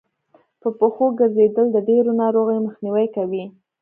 په پښو ګرځېدل د ډېرو ناروغيو مخنیوی کوي